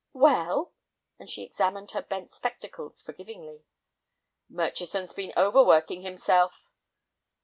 "Well?" and she examined her bent spectacles forgivingly. "Murchison's been overworking himself."